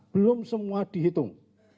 belum semua dihitung